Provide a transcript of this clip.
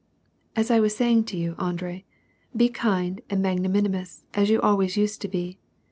" As I was saying to you, Andr^, be kind and magnanimous as you always used to be.